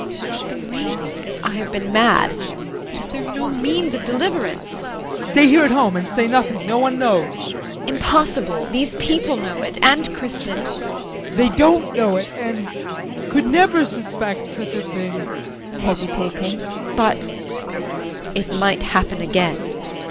JULIE. I have been raving, I have been mad, but is there no means of deliverance? JEAN. Stay here at home and say nothing. No one knows. JULIE. Impossible. These people know it, and Kristin. JEAN. They don't know it and could never suspect such a thing. JULIE [Hesitating]. But it might happen again. JEAN.